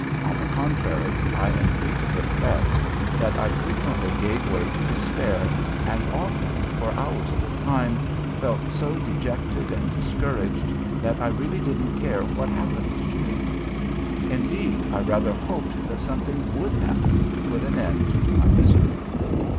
On the contrary, I am free to confess that I frequently gave way to despair and often, for hours at a time, felt so dejected and discouraged that I really didn't care what happened to me. Indeed, I rather hoped that something would happen to put an end to my misery.